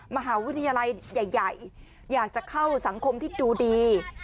มหาวิทยาลัยใหญ่อยากจะเข้าสังคมที่ดูดี